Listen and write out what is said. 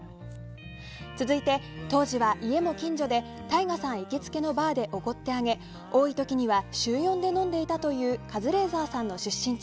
続いて、当時は家も近所でＴＡＩＧＡさん行きつけのバーでおごってあげ多い時には週４で飲んでいたというカズレーザーさんの出身地